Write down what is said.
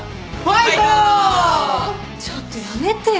ちょっとやめてよ！